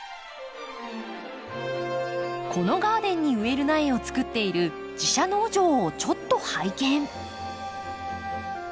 このガーデンに植える苗をつくっている自社農場をちょっと拝見。